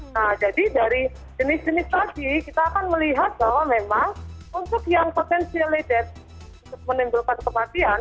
nah jadi dari jenis jenis tadi kita akan melihat bahwa memang untuk yang potentiated untuk menimbulkan kematian